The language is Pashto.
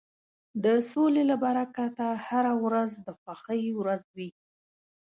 د سولې له برکته هره ورځ د خوښۍ ورځ وي.